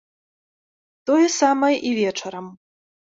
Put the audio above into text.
Тое самае і вечарам.